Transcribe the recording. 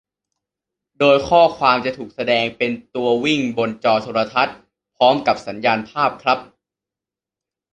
โดยข้อความจะถูกแสดงเป็นตัววิ่งบนจอโทรทัศน์พร้อมกับสัญญาณภาพครับ